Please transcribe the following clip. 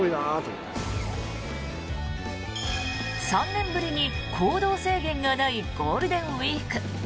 ３年ぶりに行動制限がないゴールデンウィーク。